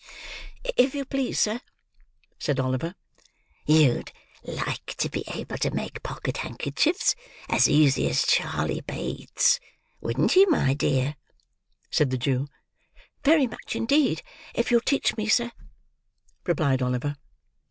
"If you please, sir," said Oliver. "You'd like to be able to make pocket handkerchiefs as easy as Charley Bates, wouldn't you, my dear?" said the Jew. "Very much, indeed, if you'll teach me, sir," replied Oliver.